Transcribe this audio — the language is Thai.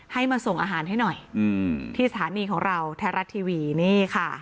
ให้มาส่งอาหารให้หน่อยที่สถานีของเราแท้รัฐทีวีนี่ค่ะ